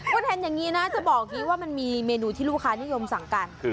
คุณเห็นอย่างนี้นะจะบอกอย่างนี้ว่ามันมีเมนูที่ลูกค้านิยมสั่งกัน